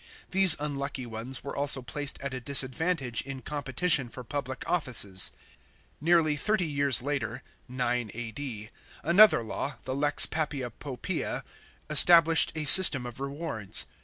These unlucky ones were also placed at a disadvantage in competition for public offices. Nearly thirty years later (9 A.D.), another law, the lex Papia Poppaea, established a system of rewards.